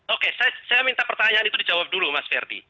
oke saya minta pertanyaan itu dijawab dulu mas ferdi